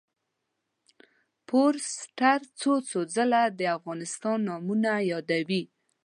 فورسټر څو څو ځله د افغانستان نومونه یادوي.